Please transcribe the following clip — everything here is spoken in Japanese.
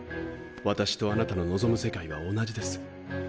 私とあなたの望む世界は同じです。